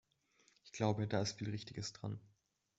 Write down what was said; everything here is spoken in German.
Ich glaube, da ist viel Richtiges dran.